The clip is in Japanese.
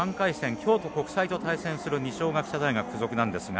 京都国際と対戦する二松学舎大学付属ですが。